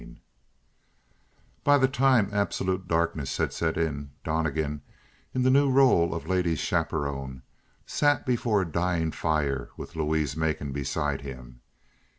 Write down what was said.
12 By the time absolute darkness had set in, Donnegan, in the new role of lady's chaperon, sat before a dying fire with Louise Macon beside him.